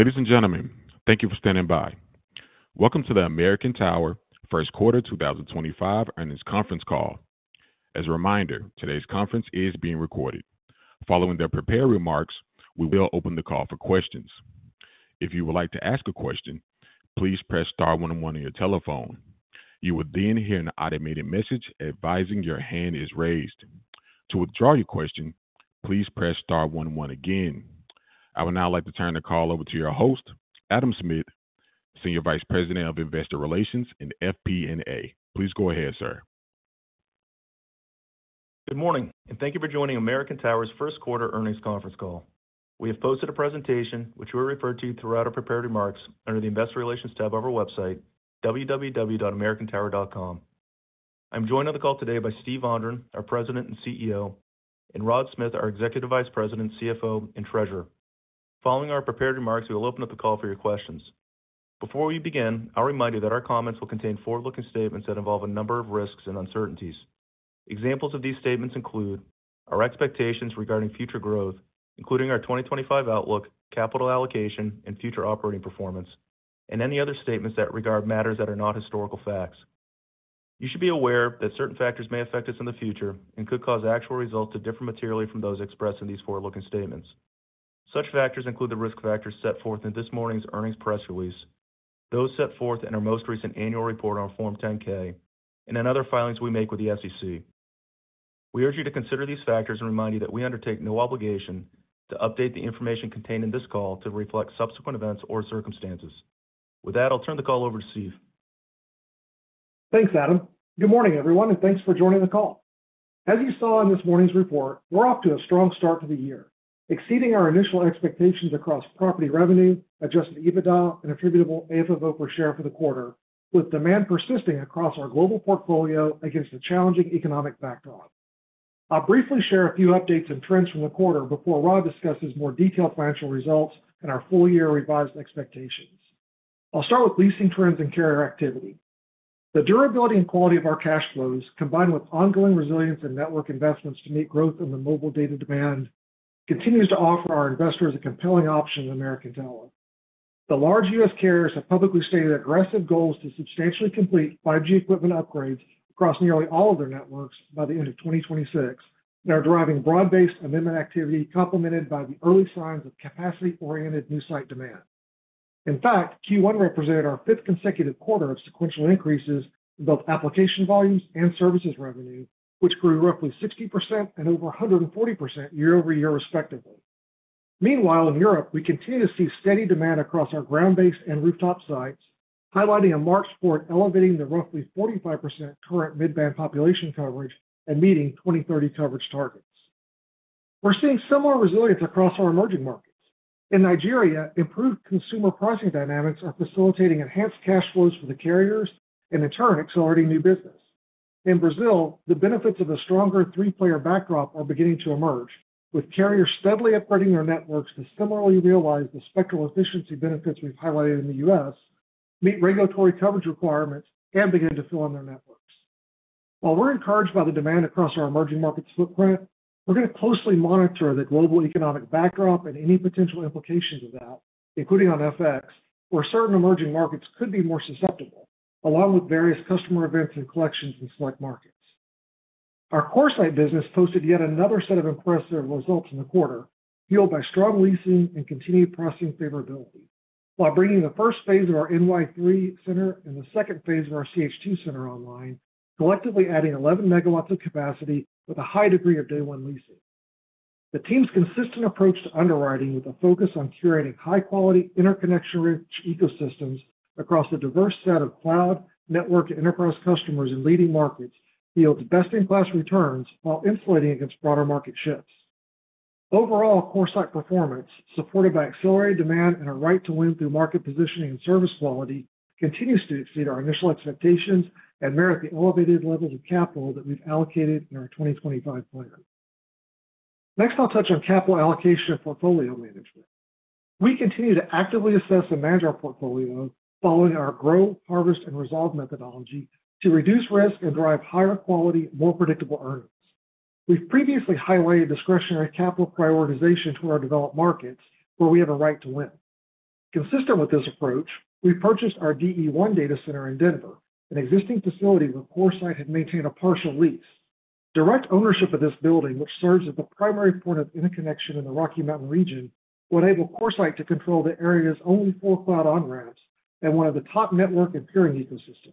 Ladies and gentlemen, thank you for standing by. Welcome to the American Tower First Quarter 2025 Earnings Conference Call. As a reminder, today's conference is being recorded. Following the prepared remarks, we will open the call for questions. If you would like to ask a question, please press star 101 on your telephone. You will then hear an automated message advising your hand is raised. To withdraw your question, please press star 101 again. I would now like to turn the call over to your host, Adam Smith, Senior Vice President of Investor Relations and FP&A. Please go ahead, sir. Good morning, and thank you for joining American Tower's First Quarter Earnings Conference Call. We have posted a presentation, which we referred to throughout our prepared remarks under the Investor Relations tab of our website, www.americantower.com. I'm joined on the call today by Steve Vondran, our President and CEO, and Rod Smith, our Executive Vice President, CFO, and Treasurer. Following our prepared remarks, we will open up the call for your questions. Before we begin, I'll remind you that our comments will contain forward-looking statements that involve a number of risks and uncertainties. Examples of these statements include our expectations regarding future growth, including our 2025 outlook, capital allocation, and future operating performance, and any other statements that regard matters that are not historical facts. You should be aware that certain factors may affect us in the future and could cause actual results to differ materially from those expressed in these forward-looking statements. Such factors include the risk factors set forth in this morning's earnings press release, those set forth in our most recent annual report on Form 10-K, and in other filings we make with the SEC. We urge you to consider these factors and remind you that we undertake no obligation to update the information contained in this call to reflect subsequent events or circumstances. With that, I'll turn the call over to Steve. Thanks, Adam. Good morning, everyone, and thanks for joining the call. As you saw in this morning's report, we're off to a strong start to the year, exceeding our initial expectations across property revenue, adjusted EBITDA, and attributable AFFO per share for the quarter, with demand persisting across our global portfolio against a challenging economic backdrop. I'll briefly share a few updates and trends from the quarter before Rod discusses more detailed financial results and our full-year revised expectations. I'll start with leasing trends and carrier activity. The durability and quality of our cash flows, combined with ongoing resilience and network investments to meet growth in the mobile data demand, continues to offer our investors a compelling option in American Tower. The large Carriers have publicly stated aggressive goals to substantially complete 5G equipment upgrades across nearly all of their networks by the end of 2026 and are driving broad-based amendment activity complemented by the early signs of capacity-oriented new site demand. In fact, Q1 represented our fifth consecutive quarter of sequential increases in both application volumes and services revenue, which grew roughly 60% and over 140% year-over-year respectively. Meanwhile, in Europe, we continue to see steady demand across our ground-based and rooftop sites, highlighting a marked support elevating the roughly 45% current mid-band population coverage and meeting 2030 coverage targets. We are seeing similar resilience across our emerging markets. In Nigeria, improved consumer pricing dynamics are facilitating enhanced cash flows for the carriers and, in turn, accelerating new business. In Brazil, the benefits of a stronger three-player backdrop are beginning to emerge, with carriers steadily upgrading their networks to similarly realize the spectral efficiency benefits we've highlighted in the U.S., meet regulatory coverage requirements, and begin to fill in their networks. While we're encouraged by the demand across our emerging markets footprint, we're going to closely monitor the global economic backdrop and any potential implications of that, including on FX, where certain emerging markets could be more susceptible, along with various customer events and collections in select markets. Our CoreSite business posted yet another set of impressive results in the quarter, fueled by strong leasing and continued pricing favorability, while bringing the first phase of our NY3 center and the second phase of our CH2 center online, collectively adding 11 megawatts of capacity with a high degree of day-one leasing. The team's consistent approach to underwriting, with a focus on curating high-quality, interconnection-rich ecosystems across a diverse set of cloud, network, and enterprise customers in leading markets, yields best-in-class returns while insulating against broader market shifts. Overall, CoreSite performance, supported by accelerated demand and a right to win through market positioning and service quality, continues to exceed our initial expectations and merit the elevated levels of capital that we've allocated in our 2025 plan. Next, I'll touch on capital allocation and portfolio management. We continue to actively assess and manage our portfolio following our grow, harvest, and resolve methodology to reduce risk and drive higher quality, more predictable earnings. We've previously highlighted discretionary capital prioritization toward our developed markets, where we have a right to win. Consistent with this approach, we've purchased our DE1 data center in Denver, an existing facility where CoreSite had maintained a partial lease. Direct ownership of this building, which serves as the primary point of interconnection in the Rocky Mountain region, will enable CoreSite to control the area's only four cloud on-ramps and one of the top network and peering ecosystems.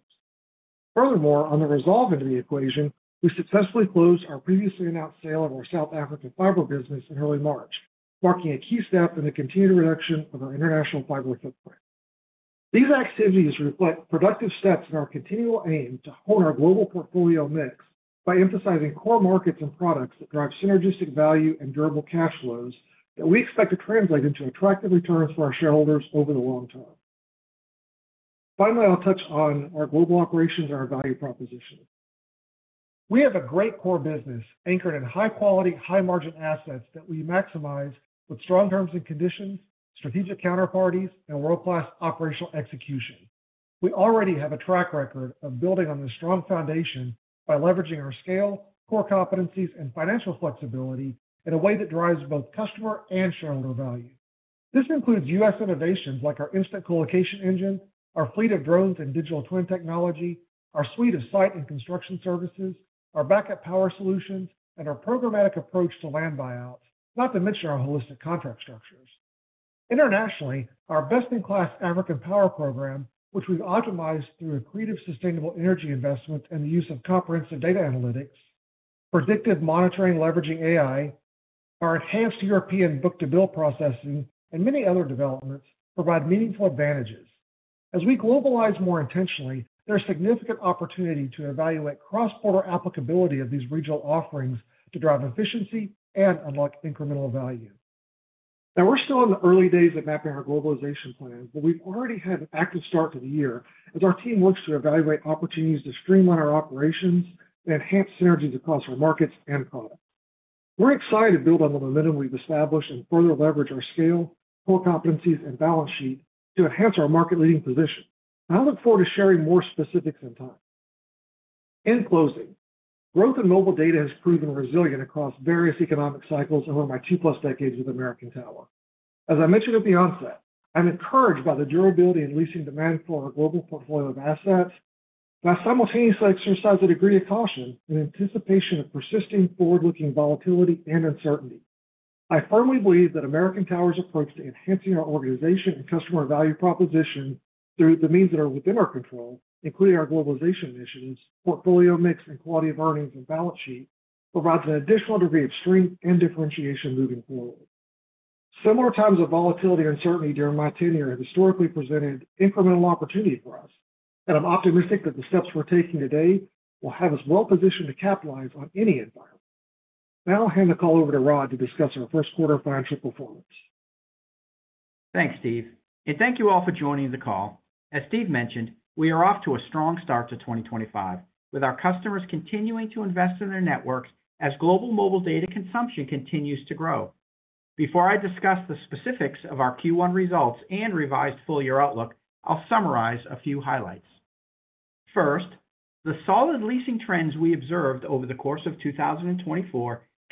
Furthermore, on the resolve into the equation, we successfully closed our previously announced sale of our South African fiber business in early March, marking a key step in the continued reduction of our international fiber footprint. These activities reflect productive steps in our continual aim to hone our global portfolio mix by emphasizing core markets and products that drive synergistic value and durable cash flows that we expect to translate into attractive returns for our shareholders over the long term. Finally, I'll touch on our global operations and our value proposition. We have a great core business anchored in high-quality, high-margin assets that we maximize with strong terms and conditions, strategic counterparties, and world-class operational execution. We already have a track record of building on this strong foundation by leveraging our scale, core competencies, and financial flexibility in a way that drives both customer and shareholder value. This includes U.S. innovations like our Instant Colocation engine, our fleet of drones and digital twin technology, our suite of site and construction services, our backup power solutions, and our programmatic approach to land buyouts, not to mention our holistic contract structures. Internationally, our best-in-class African power program, which we've optimized through a creative sustainable energy investment and the use of comprehensive data analytics, predictive monitoring, leveraging AI, our enhanced European book-to-bill processing, and many other developments provide meaningful advantages. As we globalize more intentionally, there's significant opportunity to evaluate cross-border applicability of these regional offerings to drive efficiency and unlock incremental value. Now, we're still in the early days of mapping our globalization plan, but we've already had an active start to the year as our team works to evaluate opportunities to streamline our operations and enhance synergies across our markets and products. We're excited to build on the momentum we've established and further leverage our scale, core competencies, and balance sheet to enhance our market-leading position. I look forward to sharing more specifics in time. In closing, growth in mobile data has proven resilient across various economic cycles over my two-plus decades with American Tower. As I mentioned at the onset, I'm encouraged by the durability and leasing demand for our global portfolio of assets. I simultaneously exercise a degree of caution in anticipation of persisting forward-looking volatility and uncertainty. I firmly believe that American Tower's approach to enhancing our organization and customer value proposition through the means that are within our control, including our globalization initiatives, portfolio mix, and quality of earnings and balance sheet, provides an additional degree of strength and differentiation moving forward. Similar times of volatility or uncertainty during my tenure have historically presented incremental opportunity for us, and I'm optimistic that the steps we're taking today will have us well-positioned to capitalize on any environment. Now, I'll hand the call over to Rod to discuss our first quarter financial performance. Thanks, Steve. Thank you all for joining the call. As Steve mentioned, we are off to a strong start to 2025, with our customers continuing to invest in their networks as global mobile data consumption continues to grow. Before I discuss the specifics of our Q1 results and revised full-year outlook, I'll summarize a few highlights. First, the solid leasing trends we observed over the course of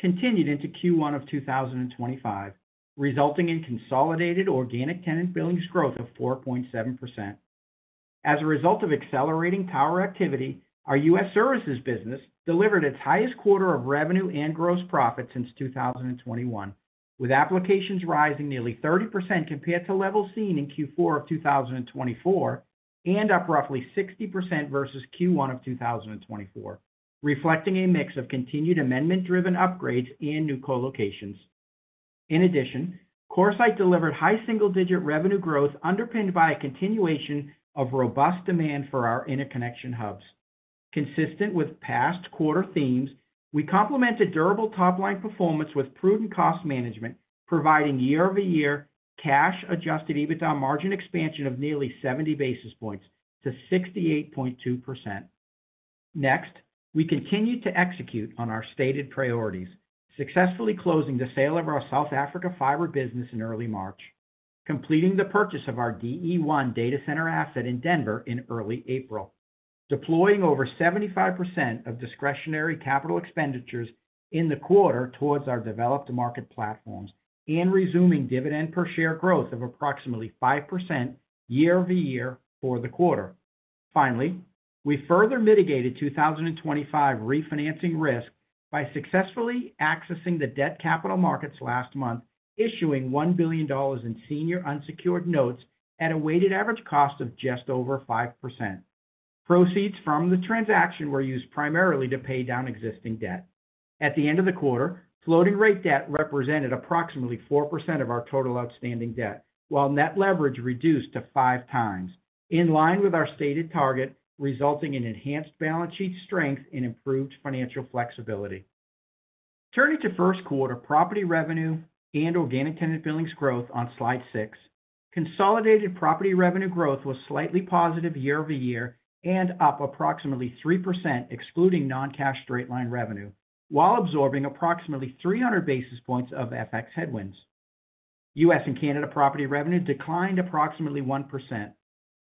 2024 continued into Q1 of 2025, resulting in consolidated organic tenant billings growth of 4.7%. As a result of accelerating power activity, our U.S. services business delivered its highest quarter of revenue and gross profit since 2021, with applications rising nearly 30% compared to levels seen in Q4 of 2024 and up roughly 60% versus Q1 of 2024, reflecting a mix of continued amendment-driven upgrades and new colocations. In addition, CoreSite delivered high single-digit revenue growth underpinned by a continuation of robust demand for our interconnection hubs. Consistent with past quarter themes, we complemented durable top-line performance with prudent cost management, providing year-over-year cash-adjusted EBITDA margin expansion of nearly 70 basis points to 68.2%. Next, we continued to execute on our stated priorities, successfully closing the sale of our South Africa fiber business in early March, completing the purchase of our DE1 data center asset in Denver in early April, deploying over 75% of discretionary capital expenditures in the quarter towards our developed market platforms, and resuming dividend per share growth of approximately 5% year-over-year for the quarter. Finally, we further mitigated 2025 refinancing risk by successfully accessing the debt capital markets last month, issuing $1 billion in senior unsecured notes at a weighted average cost of just over 5%. Proceeds from the transaction were used primarily to pay down existing debt. At the end of the quarter, floating rate debt represented approximately 4% of our total outstanding debt, while net leverage reduced to five times, in line with our stated target, resulting in enhanced balance sheet strength and improved financial flexibility. Turning to first quarter property revenue and organic tenant billings growth on slide six, consolidated property revenue growth was slightly positive year-over-year and up approximately 3%, excluding non-cash straight-line revenue, while absorbing approximately 300 basis points of FX headwinds. U.S. and Canada property revenue declined approximately 1%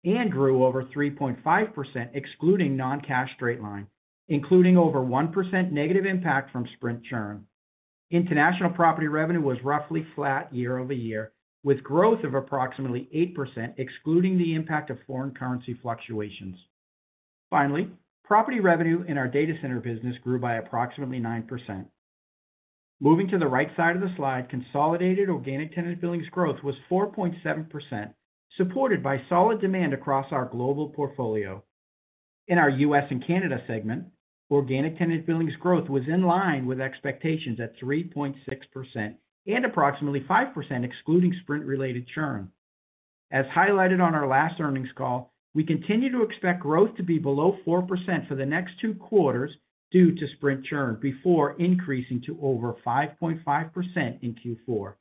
and grew over 3.5%, excluding non-cash straight-line, including over 1% negative impact from Sprint churn. International property revenue was roughly flat year-over-year, with growth of approximately 8%, excluding the impact of foreign currency fluctuations. Finally, property revenue in our data center business grew by approximately 9%. Moving to the right side of the slide, consolidated organic tenant billings growth was 4.7%, supported by solid demand across our global portfolio. In our U.S. and Canada segment, organic tenant billings growth was in line with expectations at 3.6% and approximately 5%, excluding Sprint-related churn. As highlighted on our last earnings call, we continue to expect growth to be below 4% for the next two quarters due to Sprint churn before increasing to over 5.5% in Q4.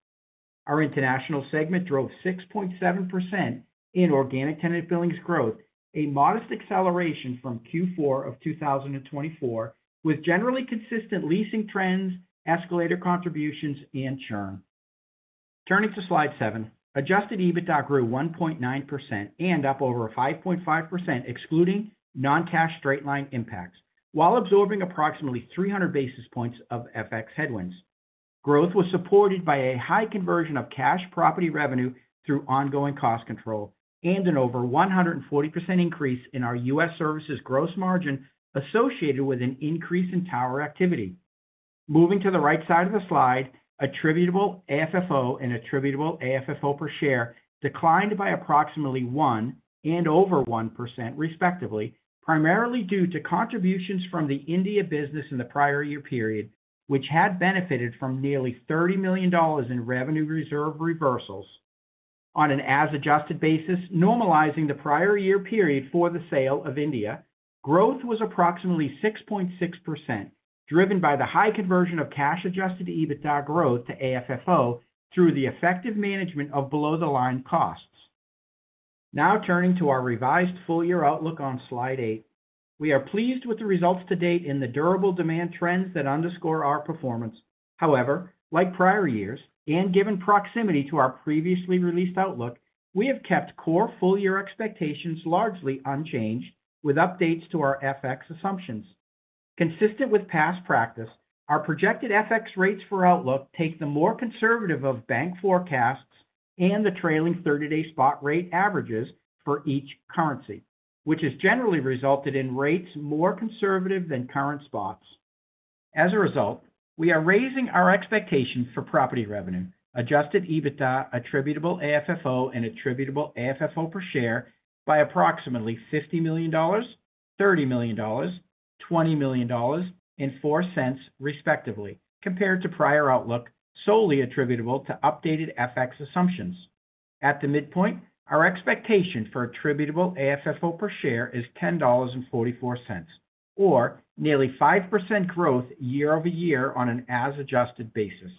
Our international segment drove 6.7% in organic tenant billings growth, a modest acceleration from Q4 of 2024, with generally consistent leasing trends, escalator contributions, and churn. Turning to slide seven, adjusted EBITDA grew 1.9% and up over 5.5%, excluding non-cash straight-line impacts, while absorbing approximately 300 basis points of FX headwinds. Growth was supported by a high conversion of cash property revenue through ongoing cost control and an over 140% increase in our U.S. services gross margin associated with an increase in tower activity. Moving to the right side of the slide, attributable AFFO and attributable AFFO per share declined by approximately 1% and over 1%, respectively, primarily due to contributions from the India business in the prior year period, which had benefited from nearly $30 million in revenue reserve reversals. On an as-adjusted basis, normalizing the prior year period for the sale of India, growth was approximately 6.6%, driven by the high conversion of cash-adjusted EBITDA growth to AFFO through the effective management of below-the-line costs. Now, turning to our revised full-year outlook on slide eight, we are pleased with the results to date in the durable demand trends that underscore our performance. However, like prior years, and given proximity to our previously released outlook, we have kept core full-year expectations largely unchanged, with updates to our FX assumptions. Consistent with past practice, our projected FX rates for outlook take the more conservative of bank forecasts and the trailing 30-day spot rate averages for each currency, which has generally resulted in rates more conservative than current spots. As a result, we are raising our expectations for property revenue, adjusted EBITDA, attributable AFFO, and attributable AFFO per share by approximately $50 million, $30 million, $20 million, and $0.04, respectively, compared to prior outlook solely attributable to updated FX assumptions. At the midpoint, our expectation for attributable AFFO per share is $10.44, or nearly 5% growth year-over-year on an as-adjusted basis.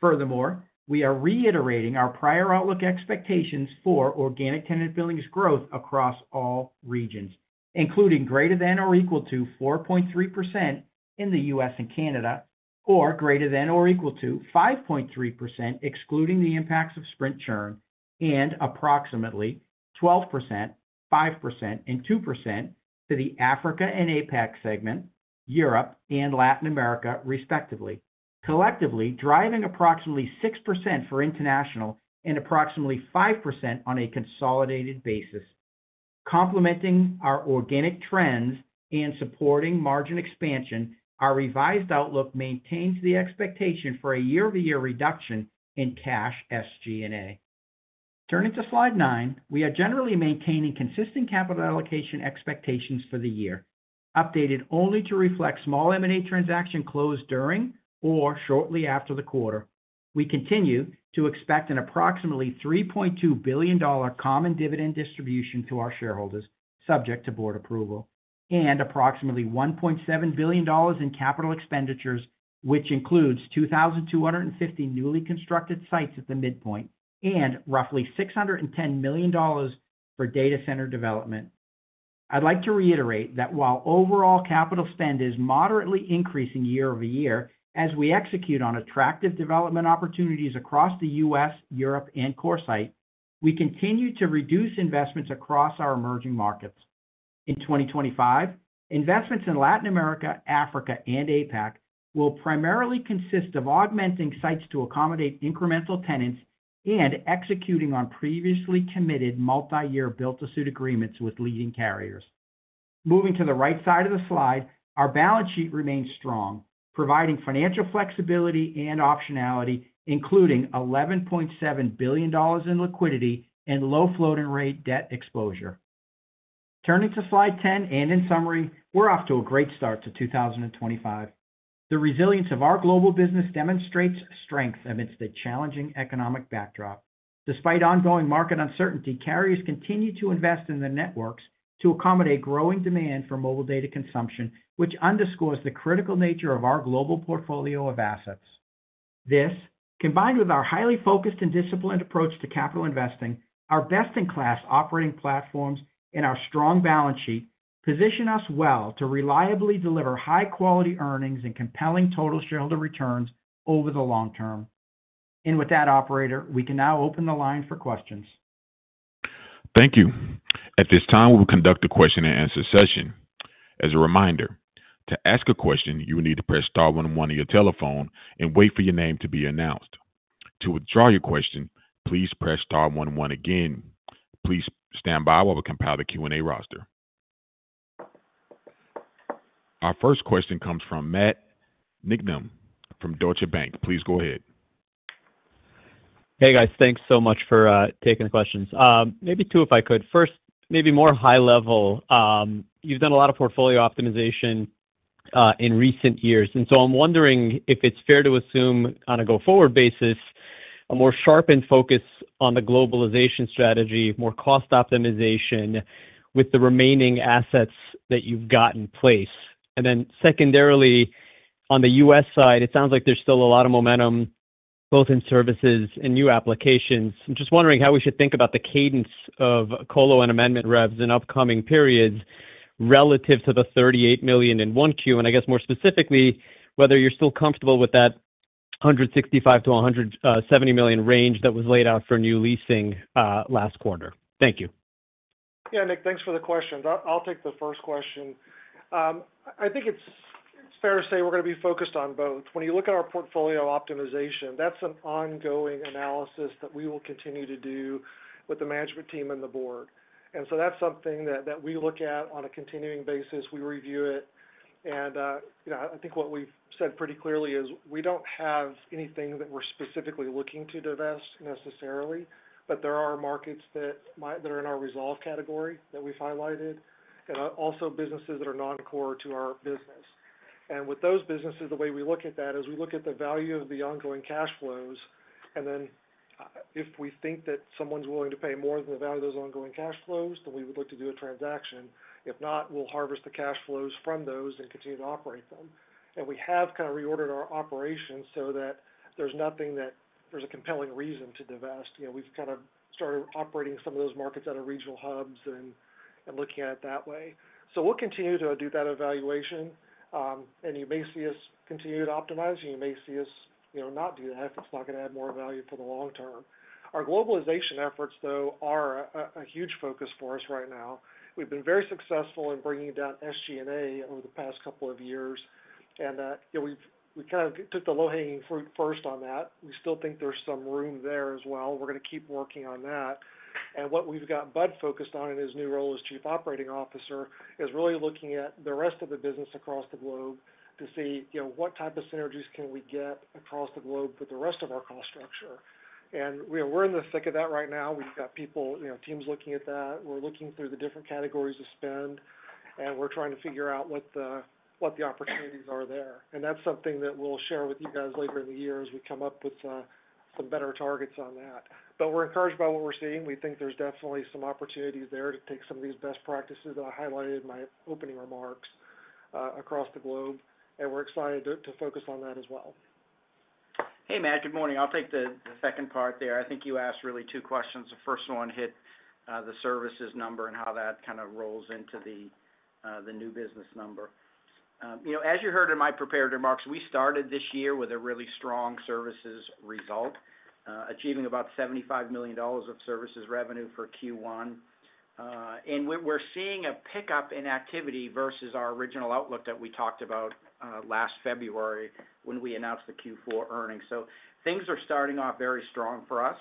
Furthermore, we are reiterating our prior outlook expectations for organic tenant billings growth across all regions, including greater than or equal to 4.3% in the U.S. and Canada, or greater than or equal to 5.3%, excluding the impacts of Sprint churn, and approximately 12%, 5%, and 2% to the Africa and APAC segment, Europe, and Latin America, respectively, collectively driving approximately 6% for international and approximately 5% on a consolidated basis. Complementing our organic trends and supporting margin expansion, our revised outlook maintains the expectation for a year-over-year reduction in cash SG&A. Turning to slide nine, we are generally maintaining consistent capital allocation expectations for the year, updated only to reflect small M&A transaction closed during or shortly after the quarter. We continue to expect an approximately $3.2 billion common dividend distribution to our shareholders, subject to board approval, and approximately $1.7 billion in capital expenditures, which includes 2,250 newly constructed sites at the midpoint and roughly $610 million for data center development. I'd like to reiterate that while overall capital spend is moderately increasing year-over-year as we execute on attractive development opportunities across the U.S., Europe, and CoreSite, we continue to reduce investments across our emerging markets. In 2025, investments in Latin America, Africa, and APAC will primarily consist of augmenting sites to accommodate incremental tenants and executing on previously committed multi-year build-to-suit agreements with leading carriers. Moving to the right side of the slide, our balance sheet remains strong, providing financial flexibility and optionality, including $11.7 billion in liquidity and low floating rate debt exposure. Turning to slide 10, and in summary, we're off to a great start to 2025. The resilience of our global business demonstrates strength amidst a challenging economic backdrop. Despite ongoing market uncertainty, carriers continue to invest in the networks to accommodate growing demand for mobile data consumption, which underscores the critical nature of our global portfolio of assets. This, combined with our highly focused and disciplined approach to capital investing, our best-in-class operating platforms, and our strong balance sheet position us well to reliably deliver high-quality earnings and compelling total shareholder returns over the long term. With that, operator, we can now open the line for questions. Thank you. At this time, we will conduct a question-and-answer session. As a reminder, to ask a question, you will need to press star 101 on your telephone and wait for your name to be announced. To withdraw your question, please press star 101 again. Please stand by while we compile the Q&A roster. Our first question comes from Matt Niknam from Deutsche Bank. Please go ahead. Hey, guys. Thanks so much for taking the questions. Maybe two, if I could. First, maybe more high level. You've done a lot of portfolio optimization in recent years. I am wondering if it's fair to assume, on a go-forward basis, a more sharpened focus on the globalization strategy, more cost optimization with the remaining assets that you've got in place. Secondarily, on the U.S. side, it sounds like there's still a lot of momentum both in services and new applications. I'm just wondering how we should think about the cadence of colo and amendment revs in upcoming periods relative to the $38 million in Q1. I guess more specifically whether you're still comfortable with that $165-$170 million range that was laid out for new leasing last quarter. Thank you. Yeah, Nick, thanks for the question. I'll take the first question. I think it's fair to say we're going to be focused on both. When you look at our portfolio optimization, that's an ongoing analysis that we will continue to do with the management team and the board. That is something that we look at on a continuing basis. We review it. I think what we've said pretty clearly is we don't have anything that we're specifically looking to divest necessarily, but there are markets that are in our resolve category that we've highlighted, and also businesses that are non-core to our business. With those businesses, the way we look at that is we look at the value of the ongoing cash flows. If we think that someone's willing to pay more than the value of those ongoing cash flows, then we would look to do a transaction. If not, we'll harvest the cash flows from those and continue to operate them. We have kind of reordered our operations so that there's nothing that there's a compelling reason to divest. We've kind of started operating some of those markets at our regional hubs and looking at it that way. We'll continue to do that evaluation. You may see us continue to optimize, and you may see us not do that if it's not going to add more value for the long term. Our globalization efforts, though, are a huge focus for us right now. We've been very successful in bringing down SG&A over the past couple of years. We kind of took the low-hanging fruit first on that. We still think there is some room there as well. We are going to keep working on that. What we have got Bud focused on in his new role as Chief Operating Officer is really looking at the rest of the business across the globe to see what type of synergies we can get across the globe with the rest of our cost structure. We are in the thick of that right now. We have got people, teams looking at that. We are looking through the different categories of spend, and we are trying to figure out what the opportunities are there. That is something that we will share with you guys later in the year as we come up with some better targets on that. We are encouraged by what we are seeing. We think there's definitely some opportunities there to take some of these best practices that I highlighted in my opening remarks across the globe. We are excited to focus on that as well. Hey, Matt. Good morning. I'll take the second part there. I think you asked really two questions. The first one hit the services number and how that kind of rolls into the new business number. As you heard in my prepared remarks, we started this year with a really strong services result, achieving about $75 million of services revenue for Q1. We are seeing a pickup in activity versus our original outlook that we talked about last February when we announced the Q4 earnings. Things are starting off very strong for us.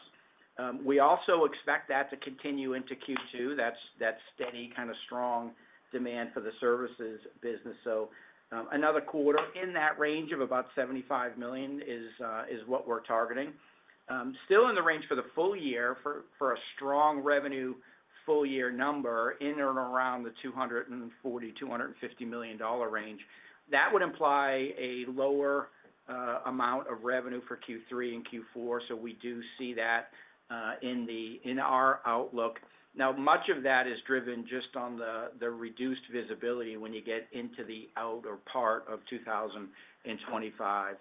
We also expect that to continue into Q2. That is steady, kind of strong demand for the services business. Another quarter in that range of about $75 million is what we are targeting. Still in the range for the full year for a strong revenue full year number in and around the $240-$250 million range. That would imply a lower amount of revenue for Q3 and Q4. We do see that in our outlook. Now, much of that is driven just on the reduced visibility when you get into the outer part of 2025.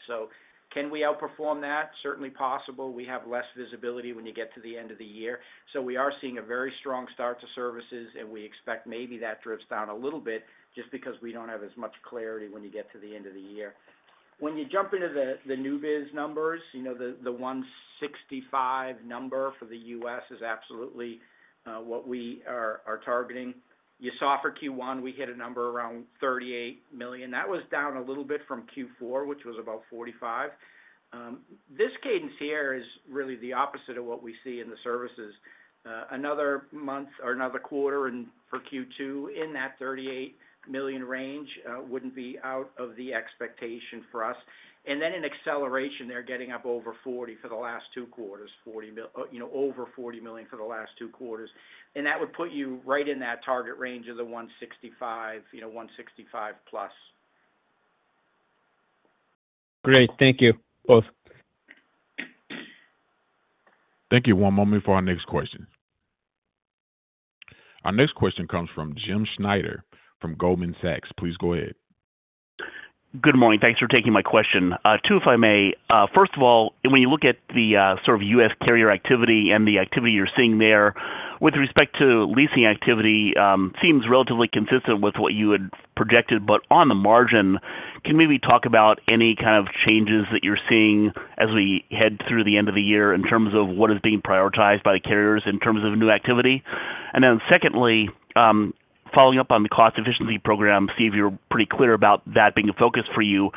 Can we outperform that? Certainly possible. We have less visibility when you get to the end of the year. We are seeing a very strong start to services, and we expect maybe that drifts down a little bit just because we do not have as much clarity when you get to the end of the year. When you jump into the new biz numbers, the $165 million number for the U.S. is absolutely what we are targeting. You saw for Q1, we hit a number around $38 million. That was down a little bit from Q4, which was about $45 million. This cadence here is really the opposite of what we see in the services. Another month or another quarter for Q2 in that $38 million range would not be out of the expectation for us. In acceleration, they are getting up over $40 million for the last two quarters, over $40 million for the last two quarters. That would put you right in that target range of the $165, $165 plus. Great. Thank you both. Thank you. One moment for our next question. Our next question comes from Jim Schneider from Goldman Sachs. Please go ahead. Good morning. Thanks for taking my question. Two, if I may. First of all, when you look at the sort of U.S. carrier activity and the activity you're seeing there, with respect to leasing activity, it seems relatively consistent with what you had projected, but on the margin, can we maybe talk about any kind of changes that you're seeing as we head through the end of the year in terms of what is being prioritized by the carriers in terms of new activity? Secondly, following up on the cost efficiency program, Steve, you're pretty clear about that being a focus for you.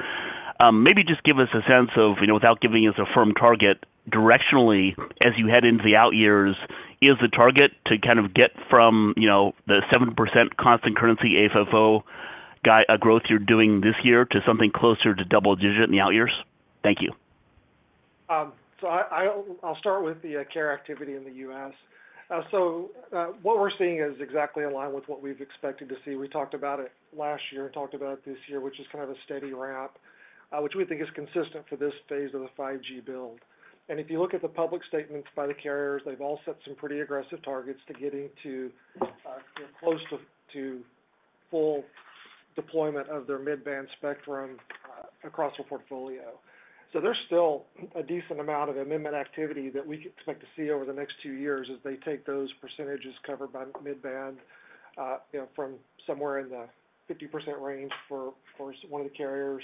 Maybe just give us a sense of, without giving us a firm target, directionally, as you head into the out years, is the target to kind of get from the 7% constant currency AFFO growth you're doing this year to something closer to double digit in the out years? Thank you. I'll start with the carrier activity in the U.S. What we're seeing is exactly in line with what we've expected to see. We talked about it last year and talked about it this year, which is kind of a steady ramp, which we think is consistent for this phase of the 5G build. If you look at the public statements by the carriers, they've all set some pretty aggressive targets to getting to close to full deployment of their mid-band spectrum across the portfolio. There's still a decent amount of amendment activity that we expect to see over the next two years as they take those percentages covered by mid-band from somewhere in the 50% range for one of the carriers.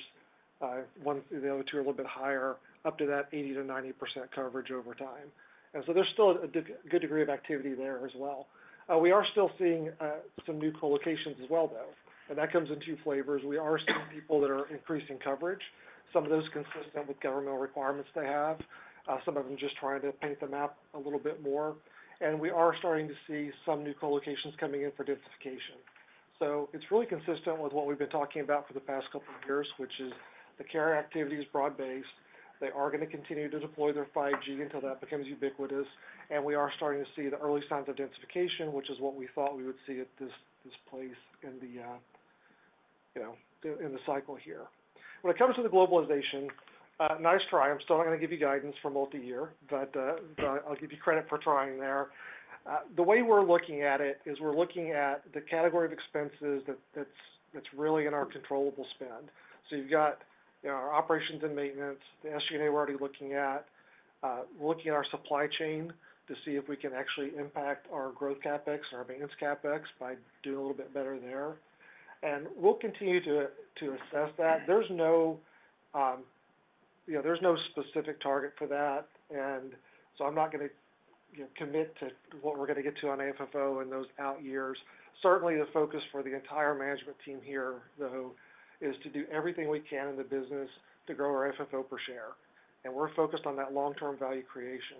The other two are a little bit higher, up to that 80-90% coverage over time. There is still a good degree of activity there as well. We are still seeing some new colocations as well, though. That comes in two flavors. We are seeing people that are increasing coverage. Some of those are consistent with governmental requirements they have. Some of them are just trying to paint the map a little bit more. We are starting to see some new colocations coming in for densification. It is really consistent with what we have been talking about for the past couple of years, which is the carrier activity is broad-based. They are going to continue to deploy their 5G until that becomes ubiquitous. We are starting to see the early signs of densification, which is what we thought we would see at this place in the cycle here. When it comes to the globalization, nice try. I'm still not going to give you guidance for multi-year, but I'll give you credit for trying there. The way we're looking at it is we're looking at the category of expenses that's really in our controllable spend. You've got our operations and maintenance, the SG&A we're already looking at. We're looking at our supply chain to see if we can actually impact our growth CapEx and our maintenance CapEx by doing a little bit better there. We'll continue to assess that. There's no specific target for that. I'm not going to commit to what we're going to get to on AFFO in those out years. Certainly, the focus for the entire management team here, though, is to do everything we can in the business to grow our AFFO per share. We're focused on that long-term value creation.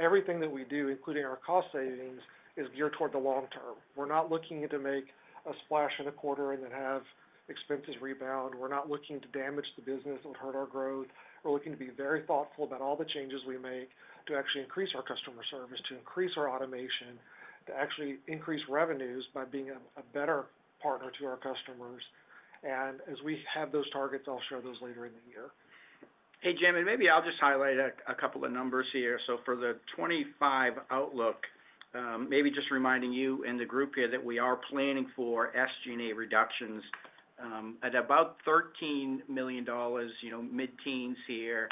Everything that we do, including our cost savings, is geared toward the long term. We're not looking to make a splash in a quarter and then have expenses rebound. We're not looking to damage the business that would hurt our growth. We're looking to be very thoughtful about all the changes we make to actually increase our customer service, to increase our automation, to actually increase revenues by being a better partner to our customers. As we have those targets, I'll share those later in the year. Hey, Jim, and maybe I'll just highlight a couple of numbers here. For the 2025 outlook, maybe just reminding you and the group here that we are planning for SG&A reductions at about $13 million, mid-teens here,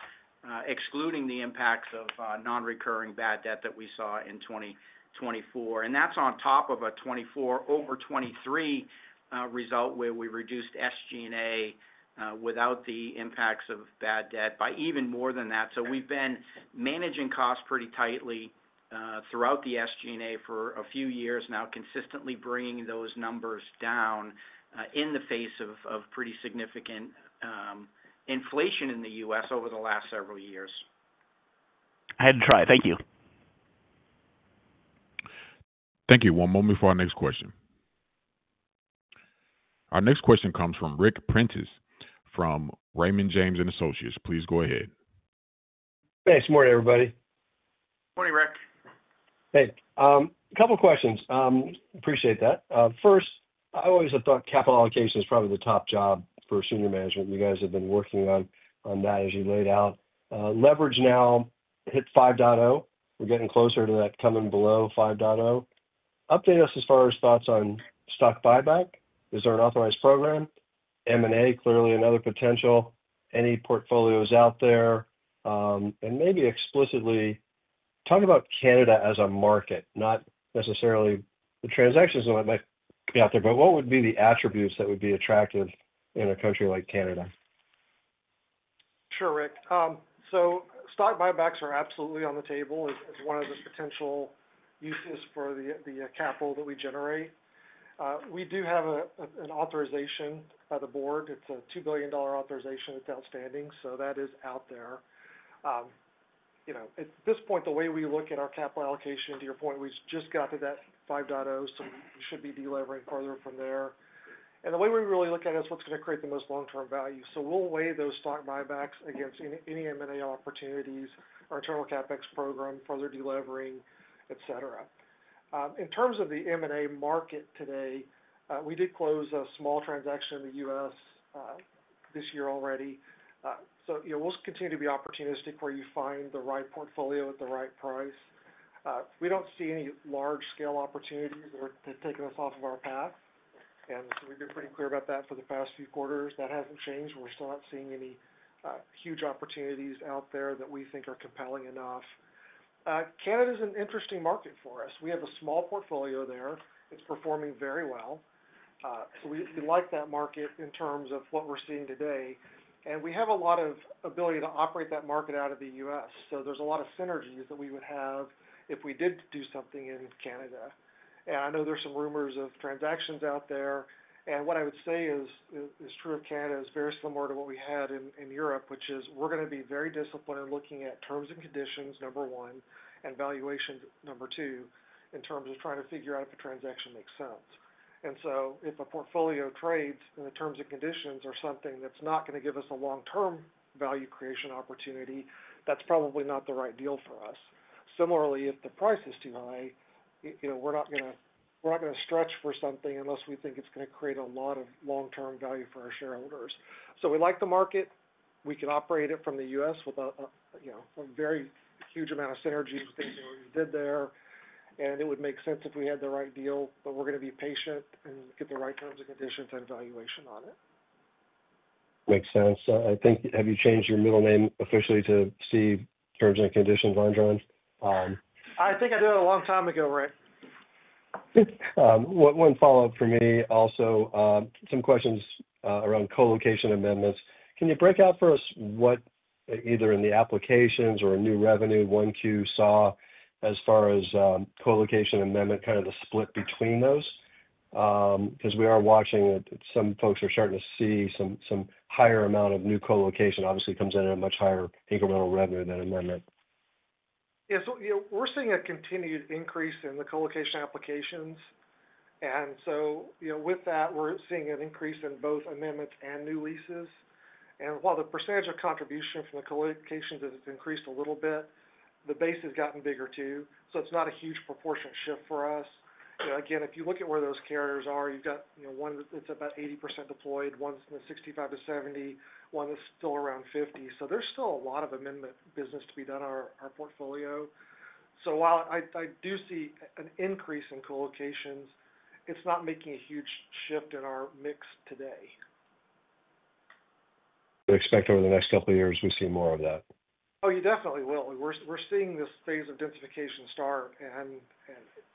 excluding the impacts of non-recurring bad debt that we saw in 2024. That's on top of a 2024 over 2023 result where we reduced SG&A without the impacts of bad debt by even more than that. We have been managing costs pretty tightly throughout the SG&A for a few years now, consistently bringing those numbers down in the face of pretty significant inflation in the U.S. over the last several years. I had to try. Thank you. Thank you. One moment for our next question. Our next question comes from Ric Prentiss from Raymond James & Associates. Please go ahead Hey, it's morning, everybody. Morning, Ric. Hey. A couple of questions. Appreciate that. First, I always have thought capital allocation is probably the top job for senior management. You guys have been working on that as you laid out. Leverage now hit 5.0. We're getting closer to that coming below 5.0. Update us as far as thoughts on stock buyback. Is there an authorized program? M&A, clearly another potential. Any portfolios out there? Maybe explicitly talk about Canada as a market, not necessarily the transactions that might be out there, but what would be the attributes that would be attractive in a country like Canada? Sure, Ric. Stock buybacks are absolutely on the table as one of the potential uses for the capital that we generate. We do have an authorization by the board. It's a $2 billion authorization. It's outstanding. That is out there. At this point, the way we look at our capital allocation, to your point, we've just got to that 5.0, so we should be delivering further from there. The way we really look at it is what's going to create the most long-term value. We will weigh those stock buybacks against any M&A opportunities, our internal CapEx program, further delivering, etc. In terms of the M&A market today, we did close a small transaction in the U.S. this year already. We will continue to be opportunistic where you find the right portfolio at the right price. We do not see any large-scale opportunities that are taking us off of our path. We have been pretty clear about that for the past few quarters. That has not changed. We are still not seeing any huge opportunities out there that we think are compelling enough. Canada is an interesting market for us. We have a small portfolio there. It is performing very well. We like that market in terms of what we are seeing today. We have a lot of ability to operate that market out of the U.S. There are a lot of synergies that we would have if we did do something in Canada. I know there are some rumors of transactions out there. What I would say is true of Canada is very similar to what we had in Europe, which is we are going to be very disciplined in looking at terms and conditions, number one, and valuations, number two, in terms of trying to figure out if a transaction makes sense. If a portfolio trades and the terms and conditions are something that is not going to give us a long-term value creation opportunity, that is probably not the right deal for us. Similarly, if the price is too high, we are not going to stretch for something unless we think it is going to create a lot of long-term value for our shareholders. We like the market. We can operate it from the U.S. with a very huge amount of synergies with things that we did there. It would make sense if we had the right deal, but we are going to be patient and get the right terms and conditions and valuation on it. Makes sense. I think have you changed your middle name officially to Steve? Terms and conditions, I'm drawing. I think I did a long time ago, Ric. One follow-up for me also, some questions around colocation amendments. Can you break out for us what either in the applications or new revenue Q1 saw as far as colocation amendment, kind of the split between those? Because we are watching that some folks are starting to see some higher amount of new colocation, obviously comes in at a much higher incremental revenue than amendment. Yeah. We're seeing a continued increase in the colocation applications. With that, we're seeing an increase in both amendments and new leases. While the percentage of contribution from the colocations has increased a little bit, the base has gotten bigger too. It's not a huge proportion shift for us. Again, if you look at where those carriers are, you've got one that's about 80% deployed, one in the 65-70% range, one that's still around 50%. There's still a lot of amendment business to be done on our portfolio. While I do see an increase in colocations, it's not making a huge shift in our mix today. We expect over the next couple of years we see more of that. Oh, you definitely will. We're seeing this phase of densification start.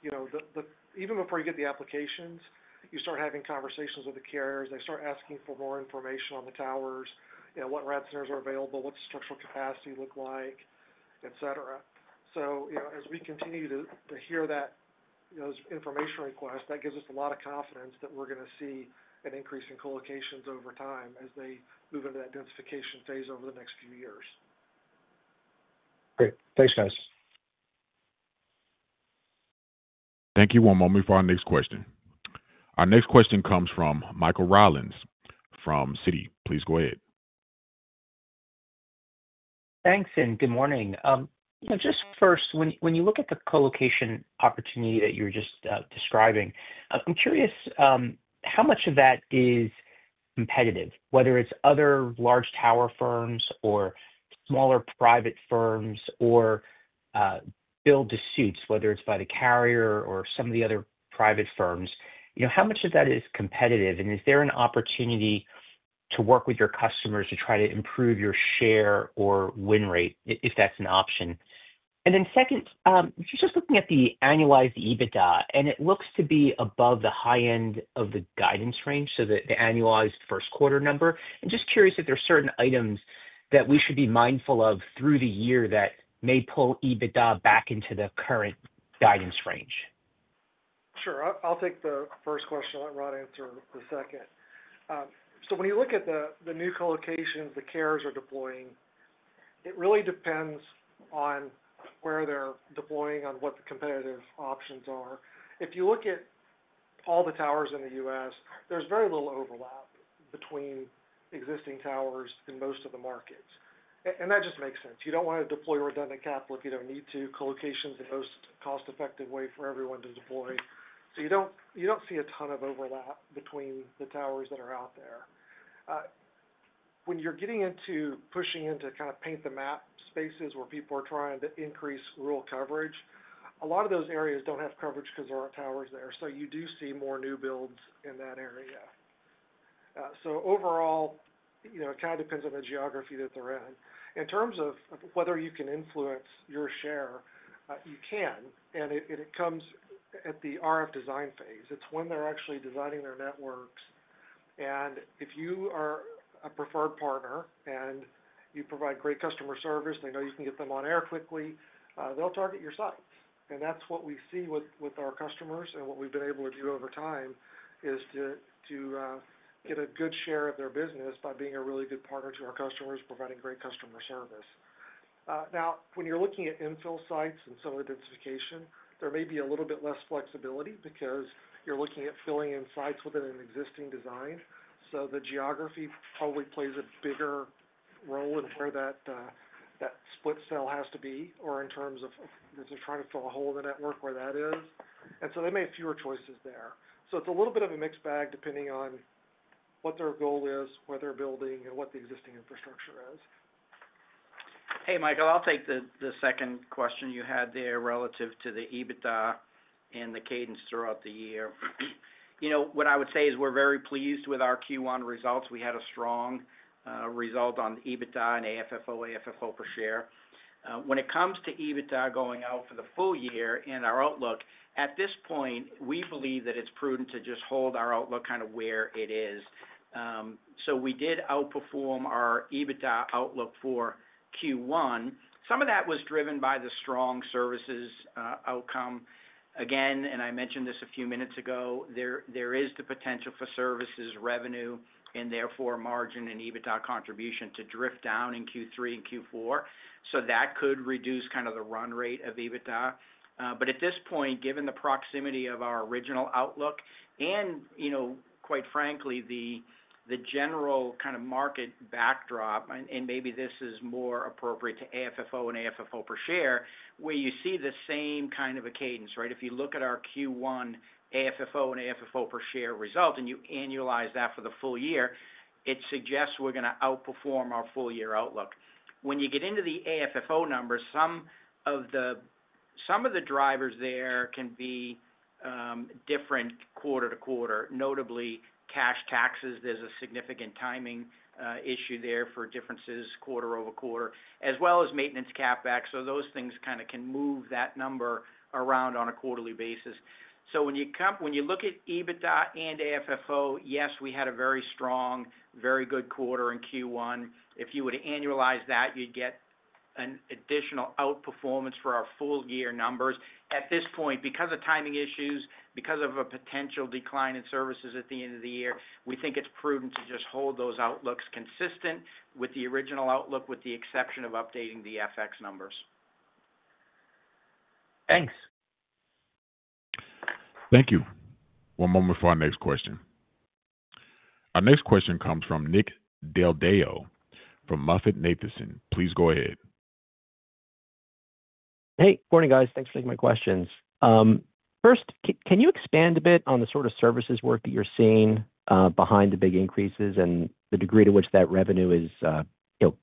Even before you get the applications, you start having conversations with the carriers. They start asking for more information on the towers, what rad centers are available, what the structural capacity looks like, etc. As we continue to hear those information requests, that gives us a lot of confidence that we're going to see an increase in colocations over time as they move into that densification phase over the next few years. Great. Thanks, guys. Thank you. One moment for our next question. Our next question comes from Michael Rollins from Citi. Please go ahead. Thanks, and good morning. Just first, when you look at the colocation opportunity that you were just describing, I'm curious how much of that is competitive, whether it's other large tower firms or smaller private firms or build to suits, whether it's by the carrier or some of the other private firms. How much of that is competitive? Is there an opportunity to work with your customers to try to improve your share or win rate, if that's an option? Second, just looking at the annualized EBITDA, and it looks to be above the high end of the guidance range, so the annualized first quarter number. I'm just curious if there are certain items that we should be mindful of through the year that may pull EBITDA back into the current guidance range. Sure. I'll take the first question. I'll let Rod answer the second. When you look at the new colocations the carriers are deploying, it really depends on where they're deploying, on what the competitive options are. If you look at all the towers in the U.S., there's very little overlap between existing towers in most of the markets. That just makes sense. You don't want to deploy redundant capital if you don't need to. Colocation's the most cost-effective way for everyone to deploy. You don't see a ton of overlap between the towers that are out there. When you're getting into pushing into kind of paint-the-map spaces where people are trying to increase rural coverage, a lot of those areas don't have coverage because there aren't towers there. You do see more new builds in that area. Overall, it kind of depends on the geography that they're in. In terms of whether you can influence your share, you can. It comes at the RF design phase. It's when they're actually designing their networks. If you are a preferred partner and you provide great customer service, they know you can get them on air quickly, they'll target your sites. That's what we see with our customers and what we've been able to do over time is to get a good share of their business by being a really good partner to our customers, providing great customer service. Now, when you're looking at infill sites and some of the densification, there may be a little bit less flexibility because you're looking at filling in sites within an existing design. The geography probably plays a bigger role in where that split cell has to be or in terms of if they're trying to fill a hole in the network where that is. They make fewer choices there. It's a little bit of a mixed bag depending on what their goal is, where they're building, and what the existing infrastructure is. Hey, Michael, I'll take the second question you had there relative to the EBITDA and the cadence throughout the year. What I would say is we're very pleased with our Q1 results. We had a strong result on EBITDA and AFFO, AFFO per share. When it comes to EBITDA going out for the full year and our outlook, at this point, we believe that it's prudent to just hold our outlook kind of where it is. We did outperform our EBITDA outlook for Q1. Some of that was driven by the strong services outcome. Again, and I mentioned this a few minutes ago, there is the potential for services revenue and therefore margin and EBITDA contribution to drift down in Q3 and Q4. That could reduce kind of the run rate of EBITDA. At this point, given the proximity of our original outlook and quite frankly, the general kind of market backdrop, and maybe this is more appropriate to AFFO and AFFO per share, where you see the same kind of a cadence, right? If you look at our Q1 AFFO and AFFO per share result and you annualize that for the full year, it suggests we're going to outperform our full-year outlook. When you get into the AFFO numbers, some of the drivers there can be different quarter to quarter. Notably, cash taxes, there's a significant timing issue there for differences quarter over quarter, as well as maintenance CapEx. Those things kind of can move that number around on a quarterly basis. When you look at EBITDA and AFFO, yes, we had a very strong, very good quarter in Q1. If you would annualize that, you'd get an additional outperformance for our full-year numbers. At this point, because of timing issues, because of a potential decline in services at the end of the year, we think it's prudent to just hold those outlooks consistent with the original outlook, with the exception of updating the FX numbers. Thanks. Thank you. One moment for our next question. Our next question comes from Nick Del Deo from MoffettNathanson. Please go ahead. Hey, morning, guys. Thanks for taking my questions. First, can you expand a bit on the sort of services work that you're seeing behind the big increases and the degree to which that revenue is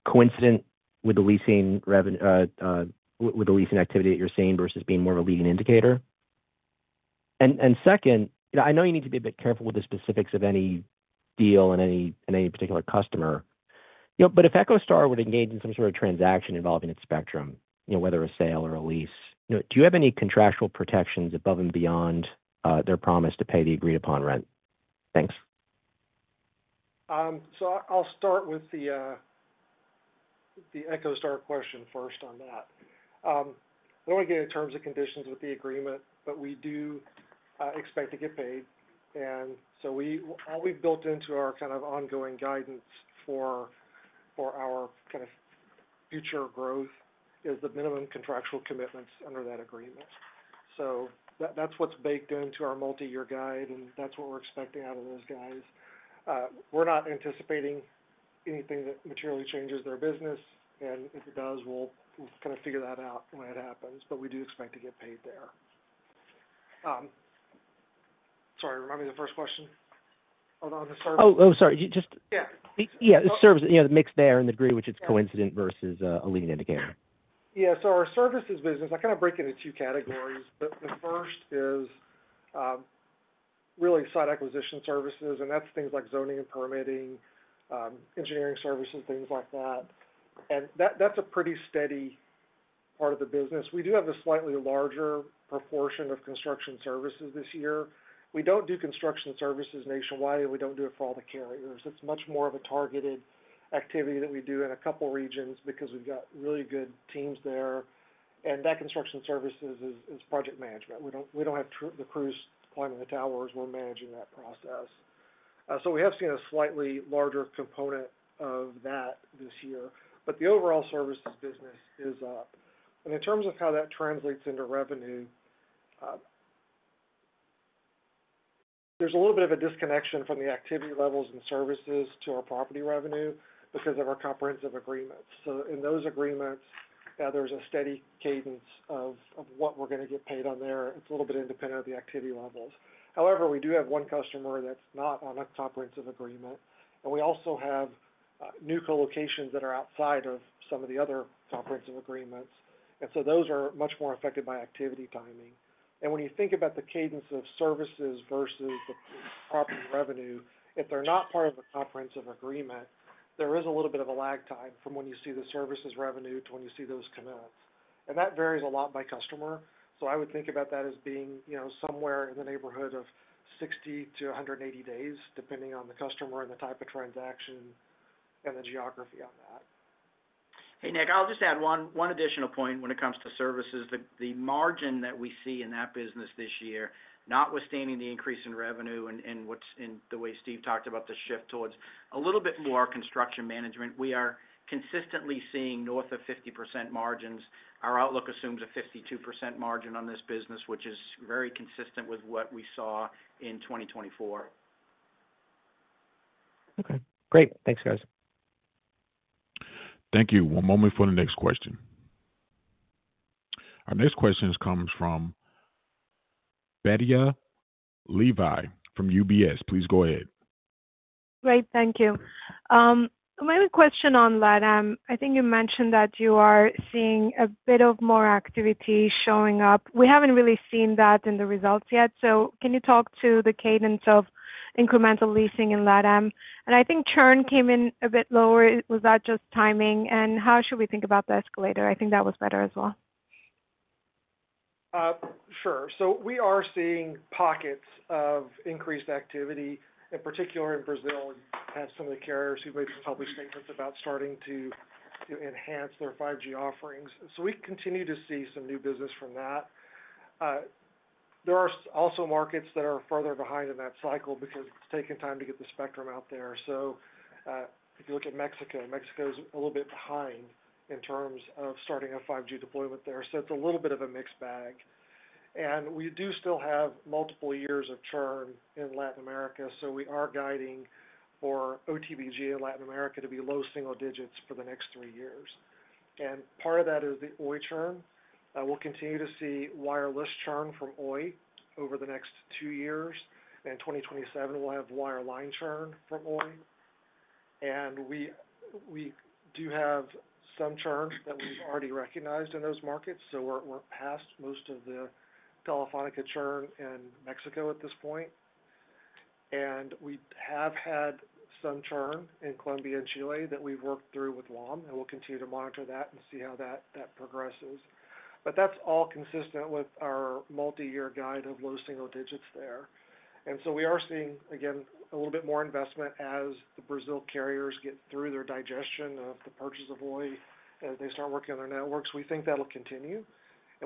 coincident with the leasing activity that you're seeing versus being more of a leading indicator? Second, I know you need to be a bit careful with the specifics of any deal and any particular customer. If EchoStar were to engage in some sort of transaction involving its spectrum, whether a sale or a lease, do you have any contractual protections above and beyond their promise to pay the agreed-upon rent? Thanks. I'll start with the EchoStar question first on that. I don't want to get into terms and conditions with the agreement, but we do expect to get paid. All we've built into our kind of ongoing guidance for our kind of future growth is the minimum contractual commitments under that agreement. That's what's baked into our multi-year guide, and that's what we're expecting out of those guys. We're not anticipating anything that materially changes their business. If it does, we'll kind of figure that out when it happens. We do expect to get paid there. Sorry, remind me of the first question. Oh, the service. Oh, sorry. Just. Yeah. Yeah. The mix there and the degree which it's coincident versus a leading indicator. Yeah. Our services business, I kind of break it into two categories. The first is really site acquisition services. And that's things like zoning and permitting, engineering services, things like that. That's a pretty steady part of the business. We do have a slightly larger proportion of construction services this year. We do not do construction services nationwide, and we do not do it for all the carriers. It's much more of a targeted activity that we do in a couple of regions because we've got really good teams there. That construction services is project management. We do not have the crews climbing the towers. We're managing that process. We have seen a slightly larger component of that this year. The overall services business is up. In terms of how that translates into revenue, there is a little bit of a disconnection from the activity levels and services to our property revenue because of our comprehensive agreements. In those agreements, there is a steady cadence of what we are going to get paid on there. It is a little bit independent of the activity levels. However, we do have one customer that is not on a comprehensive agreement. We also have new colocations that are outside of some of the other comprehensive agreements. Those are much more affected by activity timing. When you think about the cadence of services versus the property revenue, if they are not part of a comprehensive agreement, there is a little bit of a lag time from when you see the services revenue to when you see those commitments. That varies a lot by customer. I would think about that as being somewhere in the neighborhood of 60-180 days, depending on the customer and the type of transaction and the geography on that. Hey, Nick, I'll just add one additional point when it comes to services. The margin that we see in that business this year, notwithstanding the increase in revenue and the way Steve talked about the shift towards a little bit more construction management, we are consistently seeing north of 50% margins. Our outlook assumes a 52% margin on this business, which is very consistent with what we saw in 2024. Okay. Great. Thanks, guys. Thank you. One moment for the next question. Our next question comes from Batya Levi from UBS. Please go ahead. Great. Thank you. My question on LADAM, I think you mentioned that you are seeing a bit of more activity showing up. We haven't really seen that in the results yet. Can you talk to the cadence of incremental leasing in LADAM? I think churn came in a bit lower. Was that just timing? How should we think about the escalator? I think that was better as well. Sure. We are seeing pockets of increased activity, in particular in Brazil, as some of the carriers who maybe published statements about starting to enhance their 5G offerings. We continue to see some new business from that. There are also markets that are further behind in that cycle because it has taken time to get the spectrum out there. If you look at Mexico, Mexico is a little bit behind in terms of starting a 5G deployment there. It is a little bit of a mixed bag. We do still have multiple years of churn in Latin America. We are guiding for OTBG in Latin America to be low single digits for the next three years. Part of that is the Oi churn. We will continue to see wireless churn from Oi over the next two years. In 2027, we'll have wireline churn from Oi. We do have some churn that we've already recognized in those markets. We are past most of the Telefónica churn in Mexico at this point. We have had some churn in Colombia and Chile that we've worked through with WOM. We will continue to monitor that and see how that progresses. That is all consistent with our multi-year guide of low single digits there. We are seeing, again, a little bit more investment as the Brazil carriers get through their digestion of the purchase of Oi as they start working on their networks. We think that will continue.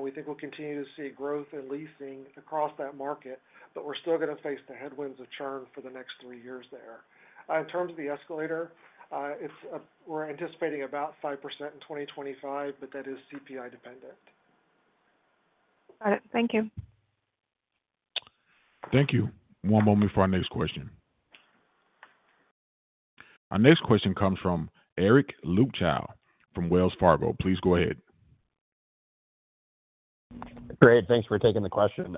We think we will continue to see growth and leasing across that market. We are still going to face the headwinds of churn for the next three years there. In terms of the escalator, we're anticipating about 5% in 2025, but that is CPI dependent. Got it. Thank you. Thank you. One moment for our next question. Our next question comes from Eric Luebchow from Wells Fargo. Please go ahead. Great. Thanks for taking the question.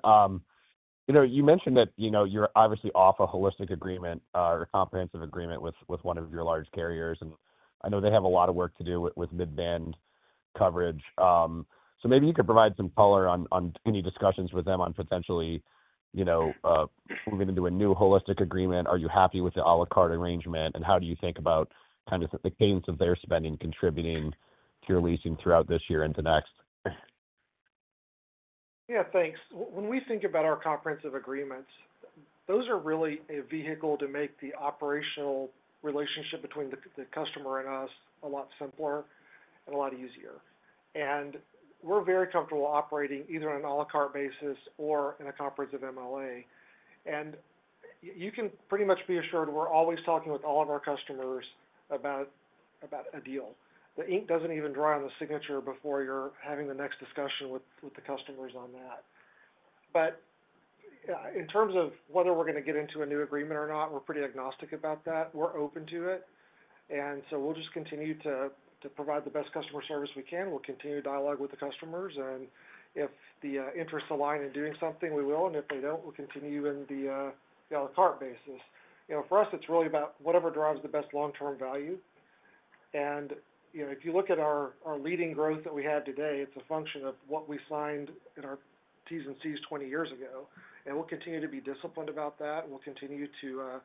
You mentioned that you're obviously off a holistic agreement or comprehensive agreement with one of your large carriers. I know they have a lot of work to do with mid-band coverage. Maybe you could provide some color on any discussions with them on potentially moving into a new holistic agreement. Are you happy with the à la carte arrangement? How do you think about kind of the cadence of their spending contributing to your leasing throughout this year into next? Yeah. Thanks. When we think about our comprehensive agreements, those are really a vehicle to make the operational relationship between the customer and us a lot simpler and a lot easier. We are very comfortable operating either on an à la carte basis or in a comprehensive MLA. You can pretty much be assured we are always talking with all of our customers about a deal. The ink does not even dry on the signature before you are having the next discussion with the customers on that. In terms of whether we are going to get into a new agreement or not, we are pretty agnostic about that. We are open to it. We will just continue to provide the best customer service we can. We will continue to dialogue with the customers. If the interests align in doing something, we will. they do not, we will continue in the à la carte basis. For us, it is really about whatever drives the best long-term value. If you look at our leasing growth that we had today, it is a function of what we signed in our T's and C's 20 years ago. We will continue to be disciplined about that. We will continue to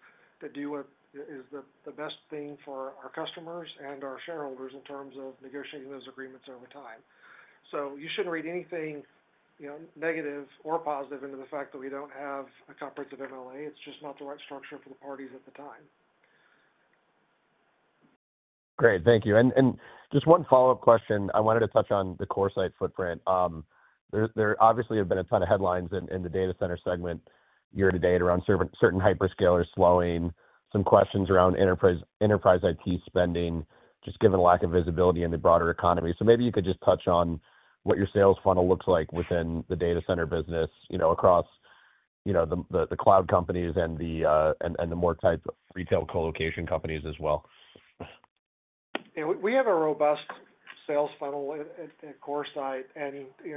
do what is the best thing for our customers and our shareholders in terms of negotiating those agreements over time. You should not read anything negative or positive into the fact that we do not have a comprehensive MLA. It is just not the right structure for the parties at the time. Great. Thank you. Just one follow-up question. I wanted to touch on the CoreSite footprint. There obviously have been a ton of headlines in the data center segment year to date around certain hyperscalers slowing, some questions around enterprise IT spending, just given a lack of visibility in the broader economy. Maybe you could just touch on what your sales funnel looks like within the data center business across the cloud companies and the more type of retail colocation companies as well. Yeah. We have a robust sales funnel at CoreSite.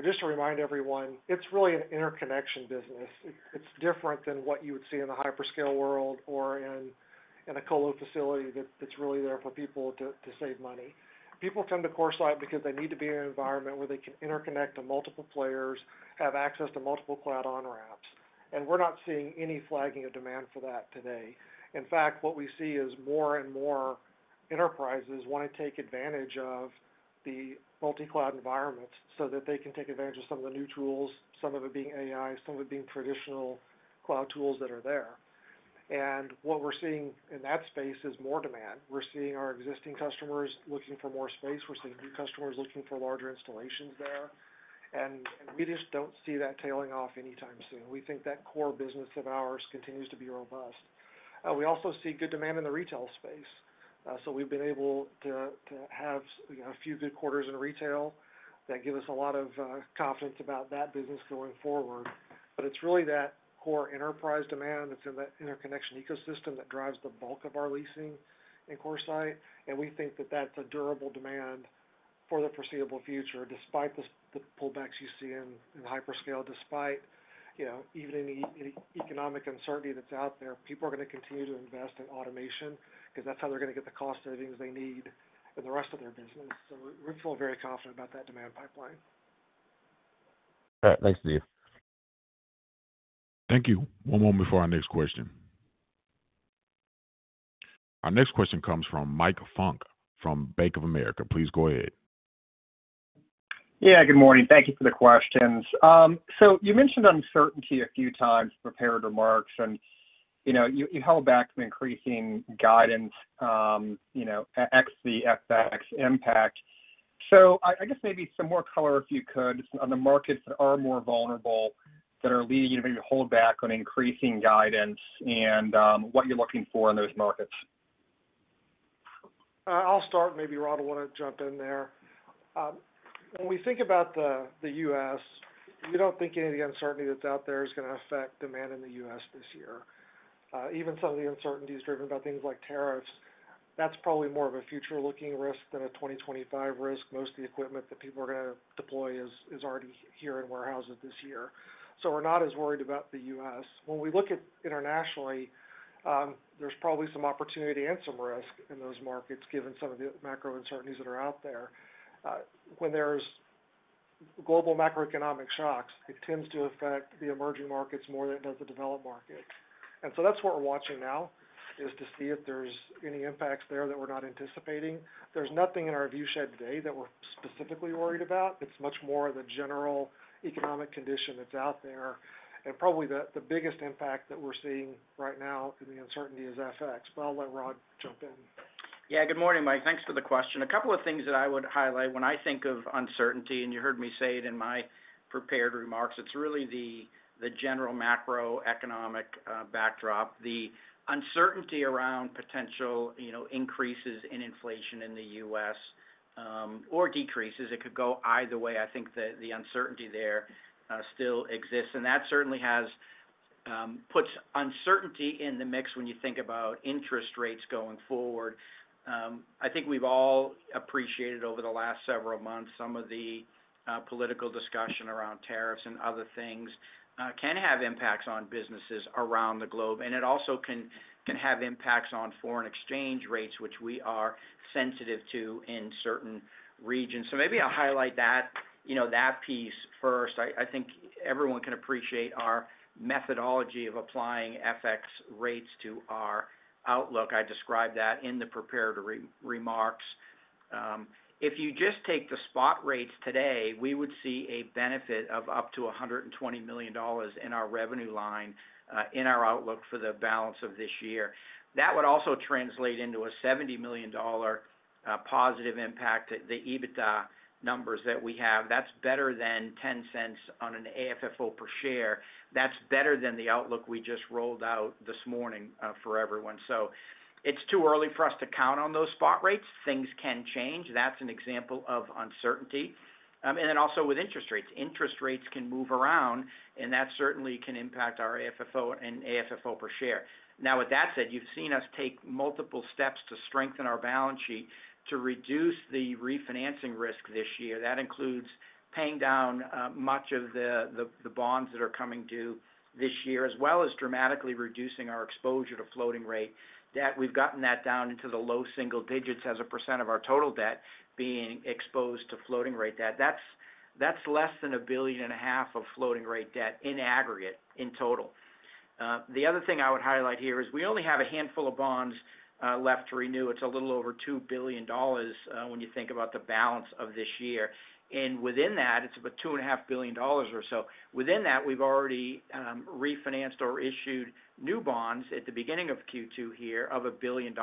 Just to remind everyone, it's really an interconnection business. It's different than what you would see in the hyperscale world or in a colo facility that's really there for people to save money. People come to CoreSite because they need to be in an environment where they can interconnect to multiple players, have access to multiple cloud on-ramps. We're not seeing any flagging of demand for that today. In fact, what we see is more and more enterprises want to take advantage of the multi-cloud environments so that they can take advantage of some of the new tools, some of it being AI, some of it being traditional cloud tools that are there. What we're seeing in that space is more demand. We're seeing our existing customers looking for more space. We're seeing new customers looking for larger installations there. We just don't see that tailing off anytime soon. We think that core business of ours continues to be robust. We also see good demand in the retail space. We've been able to have a few good quarters in retail that give us a lot of confidence about that business going forward. It's really that core enterprise demand that's in the interconnection ecosystem that drives the bulk of our leasing in CoreSite. We think that that's a durable demand for the foreseeable future, despite the pullbacks you see in hyperscale, despite even any economic uncertainty that's out there. People are going to continue to invest in automation because that's how they're going to get the cost savings they need in the rest of their business. We feel very confident about that demand pipeline. All right. Thanks to you. Thank you. One moment for our next question. Our next question comes from Mike Funk from Bank of America. Please go ahead. Yeah. Good morning. Thank you for the questions. You mentioned uncertainty a few times in prepared remarks. You held back from increasing guidance at ex-FX impact. I guess maybe some more color if you could on the markets that are more vulnerable that are leading you to maybe hold back on increasing guidance and what you're looking for in those markets. I'll start. Maybe Rod will want to jump in there. When we think about the U.S., we don't think any of the uncertainty that's out there is going to affect demand in the U.S. this year. Even some of the uncertainties driven by things like tariffs, that's probably more of a future-looking risk than a 2025 risk. Most of the equipment that people are going to deploy is already here in warehouses this year. So we're not as worried about the U.S. When we look at internationally, there's probably some opportunity and some risk in those markets given some of the macro uncertainties that are out there. When there's global macroeconomic shocks, it tends to affect the emerging markets more than it does the developed markets. That is what we're watching now is to see if there's any impacts there that we're not anticipating. There's nothing in our viewshed today that we're specifically worried about. It's much more of the general economic condition that's out there. Probably the biggest impact that we're seeing right now in the uncertainty is FX. I'll let Rod jump in. Yeah. Good morning, Mike. Thanks for the question. A couple of things that I would highlight when I think of uncertainty, and you heard me say it in my prepared remarks, it's really the general macroeconomic backdrop. The uncertainty around potential increases in inflation in the U.S. or decreases, it could go either way. I think that the uncertainty there still exists. That certainly puts uncertainty in the mix when you think about interest rates going forward. I think we've all appreciated over the last several months some of the political discussion around tariffs and other things can have impacts on businesses around the globe. It also can have impacts on foreign exchange rates, which we are sensitive to in certain regions. Maybe I'll highlight that piece first. I think everyone can appreciate our methodology of applying FX rates to our outlook. I described that in the prepared remarks. If you just take the spot rates today, we would see a benefit of up to $120 million in our revenue line in our outlook for the balance of this year. That would also translate into a $70 million positive impact at the EBITDA numbers that we have. That's better than 10 cents on an AFFO per share. That's better than the outlook we just rolled out this morning for everyone. It is too early for us to count on those spot rates. Things can change. That is an example of uncertainty. Also with interest rates. Interest rates can move around. That certainly can impact our AFFO and AFFO per share. Now, with that said, you've seen us take multiple steps to strengthen our balance sheet to reduce the refinancing risk this year. That includes paying down much of the bonds that are coming due this year, as well as dramatically reducing our exposure to floating rate. We've gotten that down into the low single digits as a % of our total debt being exposed to floating rate. That's less than $1.5 billion of floating rate debt in aggregate in total. The other thing I would highlight here is we only have a handful of bonds left to renew. It's a little over $2 billion when you think about the balance of this year. Within that, it's about $2.5 billion or so. Within that, we've already refinanced or issued new bonds at the beginning of Q2 here of $1 billion.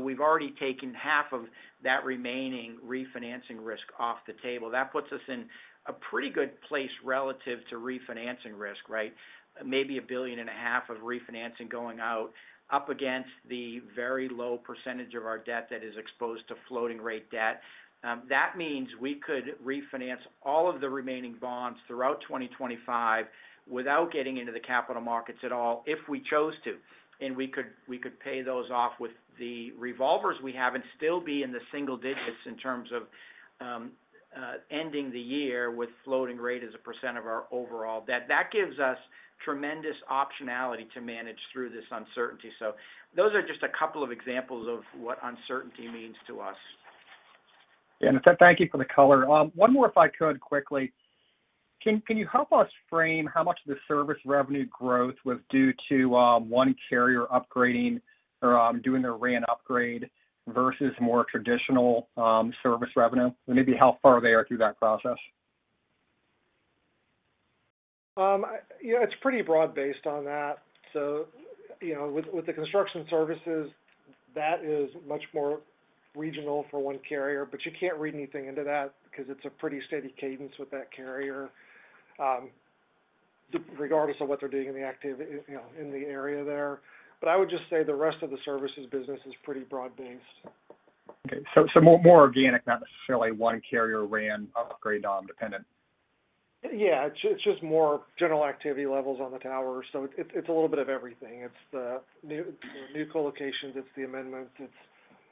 We've already taken half of that remaining refinancing risk off the table. That puts us in a pretty good place relative to refinancing risk, right? Maybe $1.5 billion of refinancing going out up against the very low % of our debt that is exposed to floating rate debt. That means we could refinance all of the remaining bonds throughout 2025 without getting into the capital markets at all if we chose to. We could pay those off with the revolvers we have and still be in the single digits in terms of ending the year with floating rate as a % of our overall debt. That gives us tremendous optionality to manage through this uncertainty. Those are just a couple of examples of what uncertainty means to us. Yeah. Thank you for the color. One more, if I could quickly. Can you help us frame how much of the service revenue growth was due to one carrier upgrading or doing their RAN upgrade versus more traditional service revenue? And maybe how far they are through that process. Yeah. It's pretty broad based on that. With the construction services, that is much more regional for one carrier. You can't read anything into that because it's a pretty steady cadence with that carrier regardless of what they're doing in the area there. I would just say the rest of the services business is pretty broad-based. Okay. More organic, not necessarily one carrier RAN upgrade dependent. Yeah. It is just more general activity levels on the tower. It is a little bit of everything. It is the new colocations. It is the amendments. It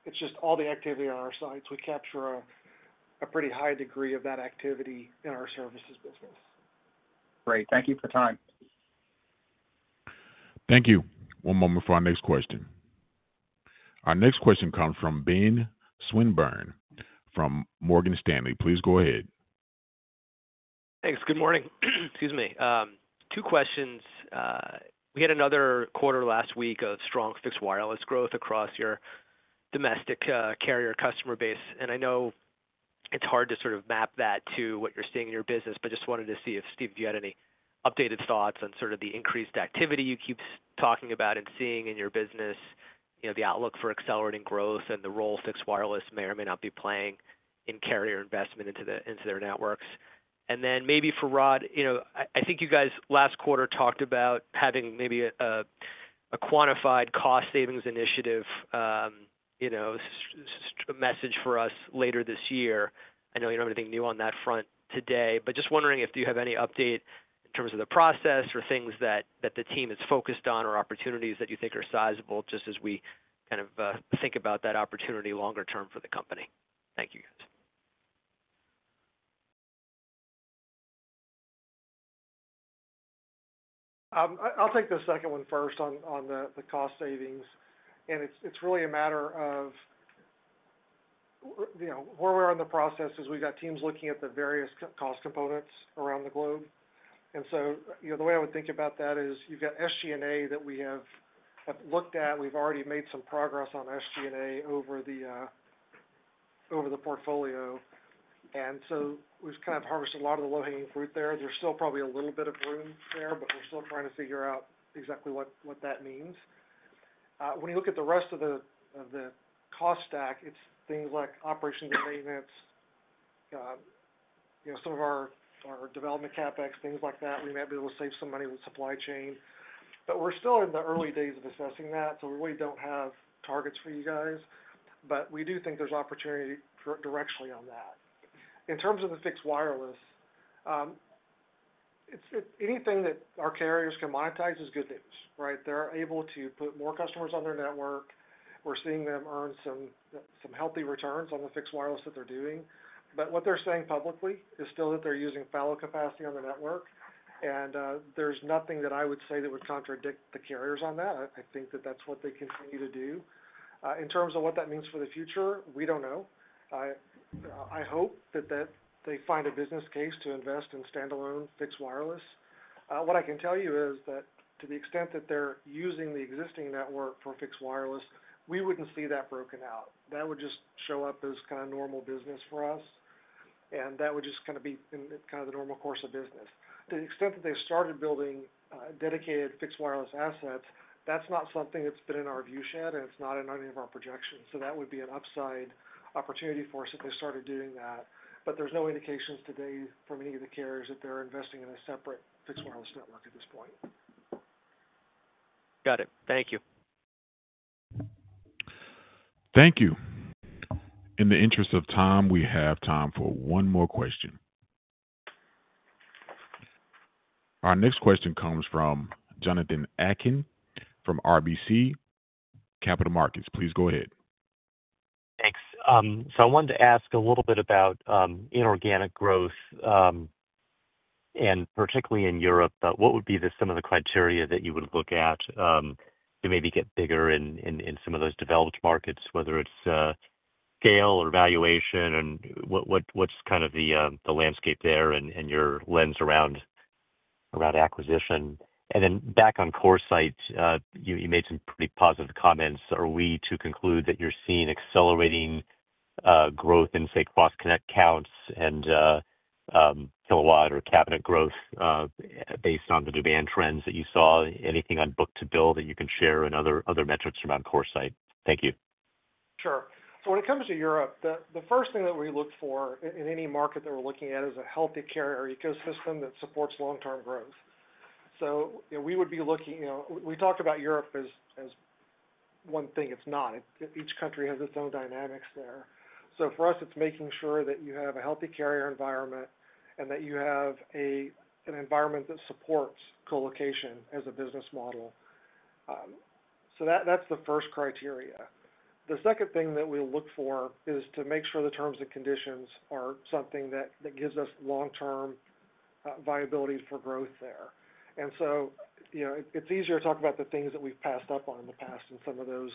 is just all the activity on our sites. We capture a pretty high degree of that activity in our services business. Great. Thank you for the time. Thank you. One moment for our next question. Our next question comes from Ben Swinburne from Morgan Stanley. Please go ahead. Thanks. Good morning. Excuse me. Two questions. We had another quarter last week of strong fixed wireless growth across your domestic carrier customer base. I know it's hard to sort of map that to what you're seeing in your business, but just wanted to see if, Steve, if you had any updated thoughts on sort of the increased activity you keep talking about and seeing in your business, the outlook for accelerating growth and the role fixed wireless may or may not be playing in carrier investment into their networks. Then maybe for Rod, I think you guys last quarter talked about having maybe a quantified cost savings initiative message for us later this year. I know you don't have anything new on that front today. Just wondering if you have any update in terms of the process or things that the team is focused on or opportunities that you think are sizable just as we kind of think about that opportunity longer term for the company. Thank you, guys. I'll take the second one first on the cost savings. It's really a matter of where we are in the process is we've got teams looking at the various cost components around the globe. The way I would think about that is you've got SG&A that we have looked at. We've already made some progress on SG&A over the portfolio. We've kind of harvested a lot of the low-hanging fruit there. There's still probably a little bit of room there, but we're still trying to figure out exactly what that means. When you look at the rest of the cost stack, it's things like operations and maintenance, some of our development CapEx, things like that. We might be able to save some money with supply chain. We're still in the early days of assessing that. We really don't have targets for you guys. We do think there's opportunity directionally on that. In terms of the fixed wireless, anything that our carriers can monetize is good news, right? They're able to put more customers on their network. We're seeing them earn some healthy returns on the fixed wireless that they're doing. What they're saying publicly is still that they're using fallow capacity on the network. There's nothing that I would say that would contradict the carriers on that. I think that that's what they continue to do. In terms of what that means for the future, we don't know. I hope that they find a business case to invest in standalone fixed wireless. What I can tell you is that to the extent that they're using the existing network for fixed wireless, we wouldn't see that broken out. That would just show up as kind of normal business for us. That would just kind of be kind of the normal course of business. To the extent that they started building dedicated fixed wireless assets, that's not something that's been in our viewshed, and it's not in any of our projections. That would be an upside opportunity for us if they started doing that. There are no indications today from any of the carriers that they're investing in a separate fixed wireless network at this point. Got it. Thank you. Thank you. In the interest of time, we have time for one more question. Our next question comes from Jonathan Atkin from RBC Capital Markets. Please go ahead. Thanks. I wanted to ask a little bit about inorganic growth, and particularly in Europe, but what would be some of the criteria that you would look at to maybe get bigger in some of those developed markets, whether it's scale or valuation, and what's kind of the landscape there and your lens around acquisition? Back on CoreSite, you made some pretty positive comments. Are we to conclude that you're seeing accelerating growth in, say, cross-connect counts and kW or cabinet growth based on the demand trends that you saw? Anything on book to bill that you can share and other metrics around CoreSite? Thank you. Sure. When it comes to Europe, the first thing that we look for in any market that we're looking at is a healthy carrier ecosystem that supports long-term growth. We talk about Europe as one thing. It's not. Each country has its own dynamics there. For us, it's making sure that you have a healthy carrier environment and that you have an environment that supports colocation as a business model. That's the first criteria. The second thing that we'll look for is to make sure the terms and conditions are something that gives us long-term viability for growth there. It's easier to talk about the things that we've passed up on in the past in some of those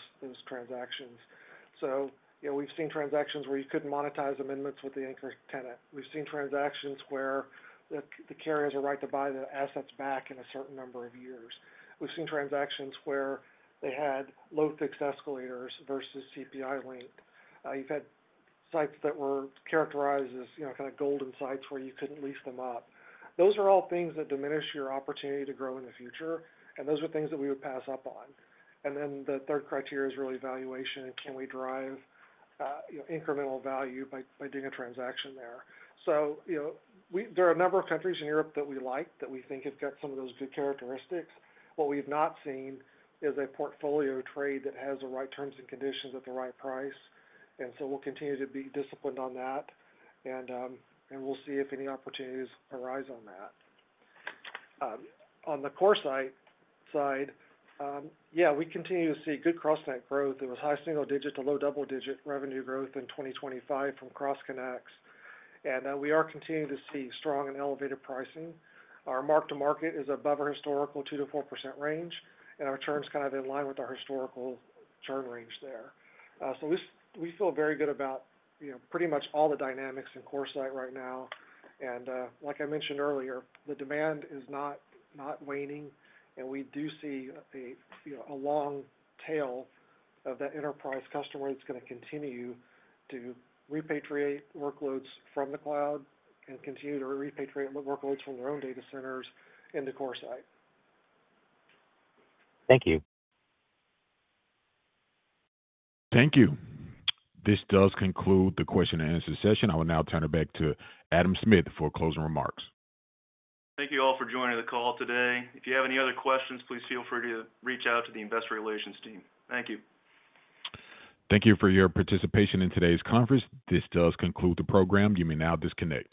transactions. We've seen transactions where you couldn't monetize amendments with the anchor tenant. We've seen transactions where the carriers are right to buy the assets back in a certain number of years. We've seen transactions where they had low-fixed escalators versus CPI linked. You've had sites that were characterized as kind of golden sites where you couldn't lease them up. Those are all things that diminish your opportunity to grow in the future. Those are things that we would pass up on. The third criteria is really valuation. Can we drive incremental value by doing a transaction there? There are a number of countries in Europe that we like that we think have got some of those good characteristics. What we've not seen is a portfolio trade that has the right terms and conditions at the right price. We will continue to be disciplined on that. We will see if any opportunities arise on that. On the CoreSite side, yeah, we continue to see good cross-connet growth. It was high single-digit to low double-digit revenue growth in 2025 from cross-connects. We are continuing to see strong and elevated pricing. Our mark-to-market is above our historical 2-4% range. Our churn's kind of in line with our historical churn range there. We feel very good about pretty much all the dynamics in CoreSite right now. Like I mentioned earlier, the demand is not waning. We do see a long tail of that enterprise customer that's going to continue to repatriate workloads from the cloud and continue to repatriate workloads from their own data centers into CoreSite. Thank you. Thank you. This does conclude the question-and-answer session. I will now turn it back to Adam Smith for closing remarks. Thank you all for joining the call today. If you have any other questions, please feel free to reach out to the investor relations team. Thank you. Thank you for your participation in today's conference. This does conclude the program. You may now disconnect.